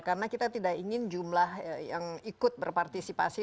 karena kita tidak ingin jumlah yang ikut berpartisipasi